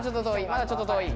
まだちょっと遠い。